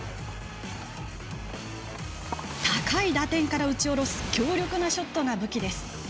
高い打点から打ち下ろす強力なショットが武器です。